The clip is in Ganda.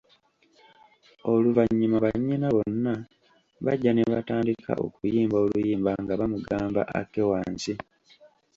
Oluvanyuma bannyina bonna bajja ne batandika okuyimba oluyimba nga bamugamba akke wansi.